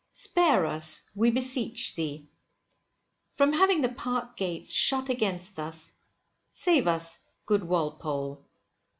Spare us, we beseech thee. From having the Park gates shut against us, save us good Walpole.